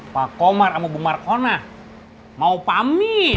pak omar sama bu markona mau pamit